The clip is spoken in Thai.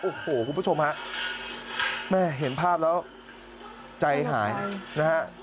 โอ้โหคุณผู้ชมฮะแม่เห็นภาพแล้วใจหายนะฮะ